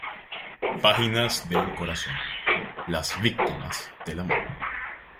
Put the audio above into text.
Páginas del corazón", "Las víctimas del amor.